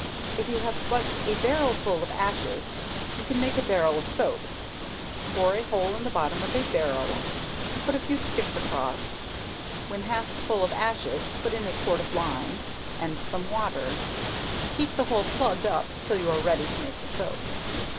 If you have but a barrel full of ashes you can make a barrel of soap, bore a hole in the bottom of a barrel, put a few sticks across, when half full of ashes put in a quart of lime and some water; keep the hole plugged up till you are ready to make the soap.